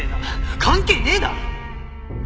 関係ねえだろ！